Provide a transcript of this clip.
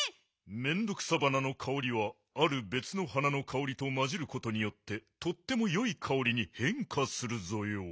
メンドクサバナのかおりはあるべつの花のかおりとまじることによってとってもよいかおりにへんかするぞよ。